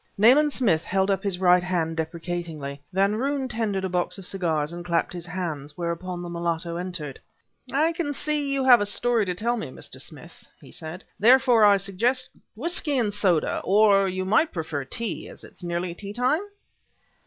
Nayland Smith held up his right hand deprecatingly. Van Roon tendered a box of cigars and clapped his hands, whereupon the mulatto entered. "I see that you have a story to tell me, Mr. Smith," he said; "therefore I suggest whisky and soda or you might prefer tea, as it is nearly tea time?"